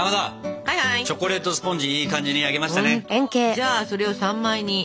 じゃあそれを３枚に。